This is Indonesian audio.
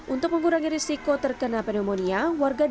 untuk mengurangi risiko terkena pneumonia